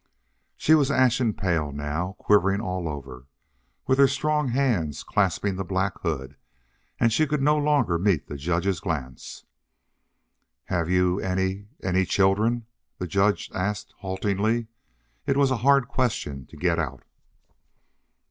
She was ashen pale now, quivering all over, with her strong hands clasping the black hood, and she could no longer meet the judge's glance. "Have you any any children?" the judge asked, haltingly. It was a hard question to get out.